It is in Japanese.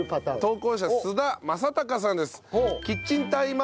投稿者須田正隆さんです。